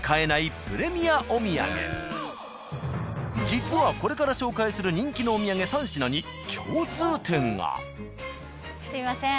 実はこれから紹介する人気のお土産３品にすいません。